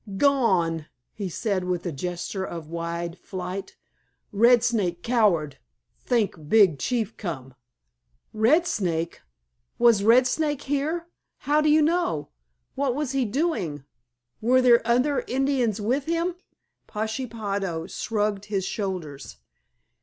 "Gone!" he said with a gesture of wide flight, "Red Snake coward. Think Big Chief come." "Red Snake! Was Red Snake here? How do you know? What was he doing? Were there other Indians with him?" Pashepaho shrugged his shoulders.